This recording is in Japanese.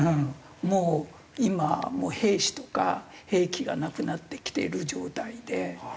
もう今兵士とか兵器がなくなってきている状態で。